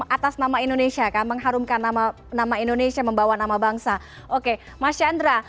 atas nama indonesia kan mengharumkan nama nama indonesia membawa nama bangsa oke mas chandra